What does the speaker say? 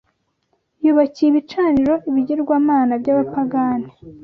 Yubakiye ibicaniro ibigirwamana by’abapagani